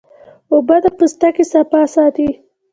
اوبه د پوستکي صفا ساتي